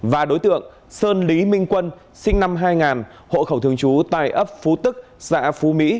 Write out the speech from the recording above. và đối tượng sơn lý minh quân sinh năm hai nghìn hộ khẩu thường trú tại ấp phú tức xã phú mỹ